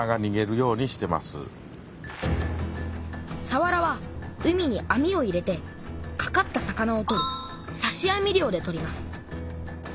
さわらは海に網を入れてかかった魚を取るさし網漁で取ります